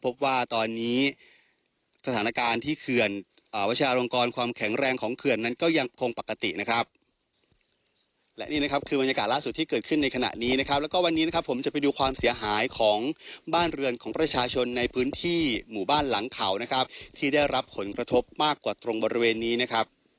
พบว่าตอนนี้สถานการณ์ที่เขื่อนวัชราลงกรความแข็งแรงของเขื่อนนั้นก็ยังคงปกตินะครับและนี่นะครับคือบรรยากาศล่าสุดที่เกิดขึ้นในขณะนี้นะครับแล้วก็วันนี้นะครับผมจะไปดูความเสียหายของบ้านเรือนของประชาชนในพื้นที่หมู่บ้านหลังเขานะครับที่ได้รับผลกระทบมากกว่าตรงบริเวณนี้นะครับ